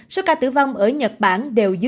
số ca tử vong ở nhật bản